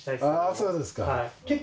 あそうですか。